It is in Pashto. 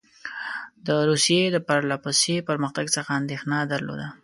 ده د روسیې د پرله پسې پرمختګ څخه اندېښنه درلوده.